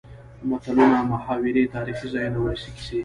متلونه ،محاورې تاريخي ځايونه ،ولسي کسې.